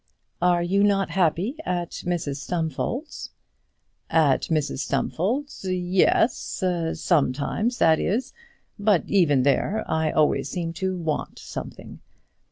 "Are you not happy at Mrs Stumfold's?" "At Mrs Stumfold's? Yes; sometimes, that is; but even there I always seem to want something.